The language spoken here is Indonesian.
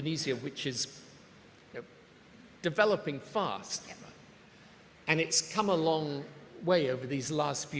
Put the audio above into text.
perusahaan negara berada di dalam perusahaan